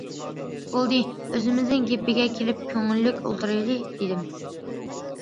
بولدى، ئۆزىمىزنىڭ گېپىگە كېلىپ، كۆڭۈللۈك ئولتۇرايلى،- دېدىم.